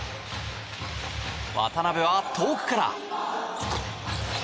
渡邊は遠くから。